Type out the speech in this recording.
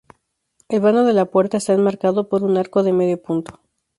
El vano de la puerta está enmarcado por un arco de medio punto.